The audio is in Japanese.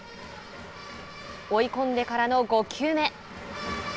追い込んでからの５球目。